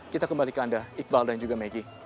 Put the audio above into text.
kita kembali ke anda iqbal dan juga maggie